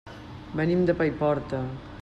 Venim de Paiporta.